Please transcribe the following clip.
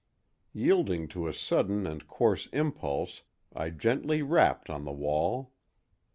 Yielding to a sudden and coarse impulse I gently rapped on the wall.